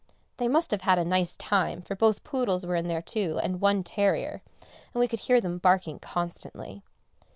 They must have had a nice time, for both poodles were in there too, and one terrier, and we could hear them barking constantly.